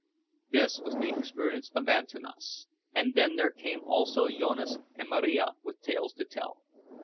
This was the experience of Antanas; and then there came also Jonas and Marija with tales to tell.